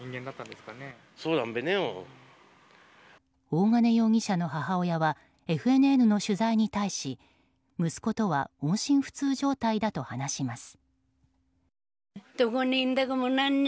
大金容疑者の母親はＦＮＮの取材に対し息子とは音信不通状態だと話します。